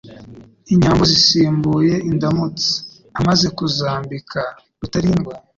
Inyambo zisimbuye IndamutsaAmaze kuzambika Rutarindwa